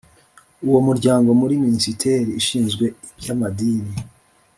uwo muryango muri minisiteri ishinzwe iby amadini